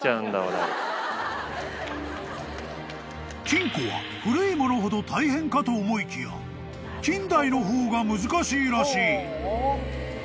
［金庫は古い物ほど大変かと思いきや近代の方が難しいらしい］